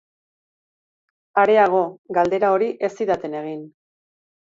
Areago, galdera hori ez zidaten egin.